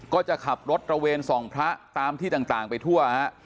ก็จะขับรถตระเวนส่องพระตามที่ต่างไปทั่วฮะ